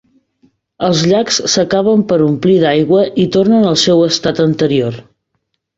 Els llacs s'acaben per omplir d'aigua i tornen al seu estat anterior.